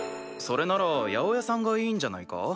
それなら八百屋さんがいいんじゃないか？